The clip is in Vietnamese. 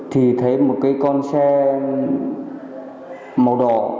thì thấy một cái con xe màu đỏ